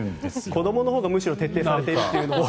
子どものほうがむしろ徹底されているという。